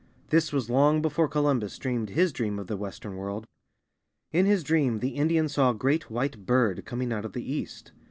This was long before Columbus dreamed his dream of the Western World. In his dream the Indian saw a great White Bird coming out of the east.